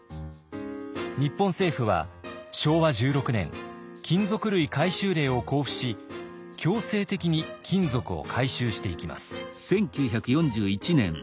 日本政府は昭和１６年金属類回収令を公布し強制的に金属を回収していきます。